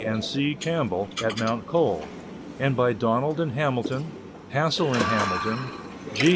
and C. Campbell at Mount Cole ; and by Donald and Hamilton, Hassell and Hamilton, G